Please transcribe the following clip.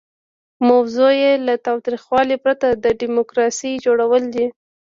موضوع یې له تاوتریخوالي پرته د ډیموکراسۍ جوړول دي.